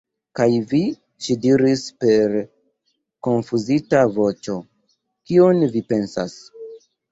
Kaj vi, ŝi diris per konfuzita voĉo, kion vi pensas?